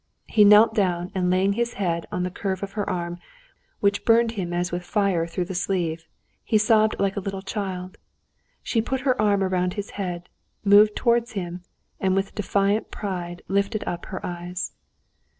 He knelt down, and laying his head in the curve of her arm, which burned him as with fire through the sleeve, he sobbed like a little child. She put her arm around his head, moved towards him, and with defiant pride lifted up her eyes.